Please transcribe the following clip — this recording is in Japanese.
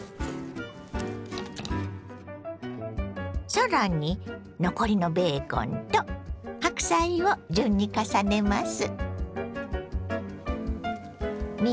更に残りのべーコンと白菜を順に重ねます。